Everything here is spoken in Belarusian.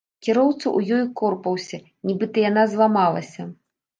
Кіроўца ў ёй корпаўся, нібыта, яна зламалася.